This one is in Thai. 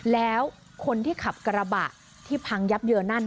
แล้วคนที่ขับกระบะที่พังยับเยินนั่น